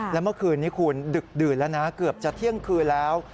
แล้วเมื่อคืนนี้คุณดึกดื่นแล้วนะเกือบจะเที่ยงคืนแล้ว